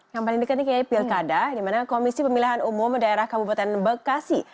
yang paling dekat ini kayaknya pilkada di mana komisi pemilihan umum daerah kabupaten bekasi